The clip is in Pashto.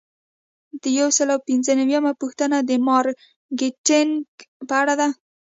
یو سل او پنځه نوي یمه پوښتنه د مارکیټینګ په اړه ده.